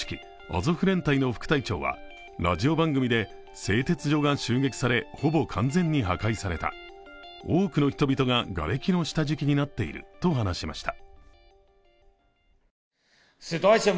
アゾフ連隊の副隊長はラジオ番組で、製鉄所が襲撃され、ほぼ完全に破壊された、多くの人々ががれきの下敷きになっていると話しました。